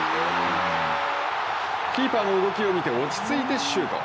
キーパーの動きを見て落ち着いてシュート。